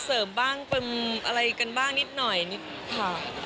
เสริมบ้างปรัมอะไรกันบ้างนิดหน่อย